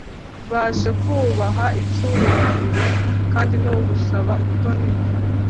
baje kubaha icyubahiro kandi no gusaba ubutoni